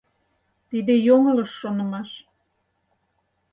Тиде йоҥылыш шонымаш.